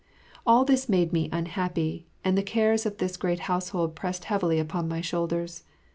All this made me unhappy, and the cares of this great household pressed heavily upon my shoulders.